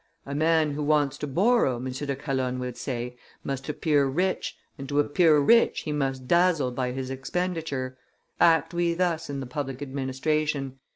"A man who wants to borrow," M. de Calonne would say, "must appear rich, and to appear rich he must dazzle by his expenditure. Act we thus in the public administration.